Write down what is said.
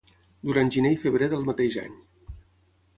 Durant Gener i Febrer del mateix any.